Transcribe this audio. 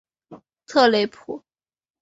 特雷普。